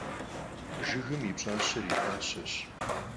Жыгым и пщӀащэр и фащэщ.